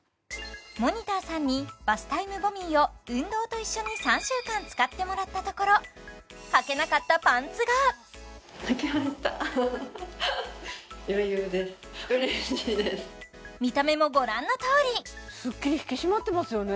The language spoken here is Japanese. モニターさんにバスタイムボミーを運動と一緒に３週間使ってもらったところ見た目もご覧のとおりスッキリ引き締まってますよね